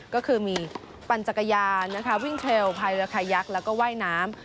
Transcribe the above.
ก็คือมีปั่นจักรยานนะคะวิ่งเทรลภายระคายักษ์แล้วก็ว่ายน้ำ